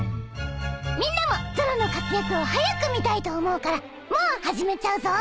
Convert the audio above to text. みんなもゾロの活躍を早く見たいと思うからもう始めちゃうぞ。